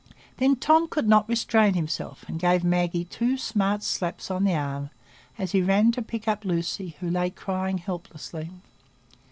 Then Tom could not restrain himself, and gave Maggie two smart slaps on the arm as he ran to pick up Lucy, who lay crying helplessly.